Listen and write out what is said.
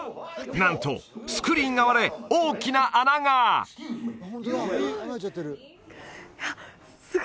なんとスクリーンが割れ大きな穴がいやうわ！